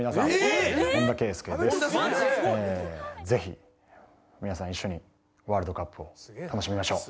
ええぜひ皆さん一緒にワールドカップを楽しみましょう。